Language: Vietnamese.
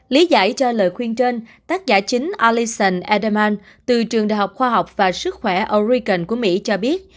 lý giải cho lời khuyên trên tác giả chính allison edelman từ trường đại học khoa học và sức khỏe oregon của mỹ cho biết